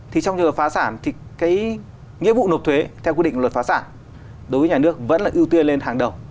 thì trong trường hợp phá sản thì cái nghĩa vụ nộp thuế theo quy định luật phá sản đối với nhà nước vẫn là ưu tiên lên hàng đầu